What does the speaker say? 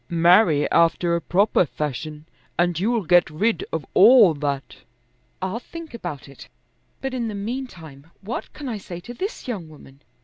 "Marry after a proper fashion, and you'll get rid of all that." "I'll think about it, but in the meantime what can I say to this young woman?